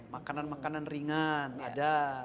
makanan makanan ringan ada